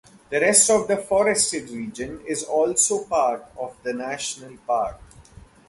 The rest of the forested region is also part of the National Park.